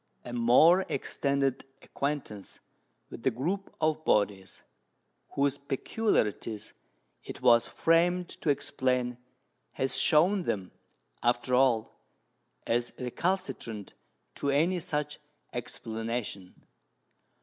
A more extended acquaintance with the group of bodies whose peculiarities it was framed to explain has shown them, after all, as recalcitrant to any such explanation.